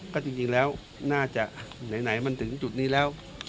ก็จริงแล้วน่าจะไหนมันถึงจุดนี้แล้ว